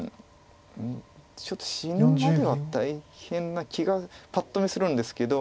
ちょっと死ぬまでは大変な気がパッと見するんですけど。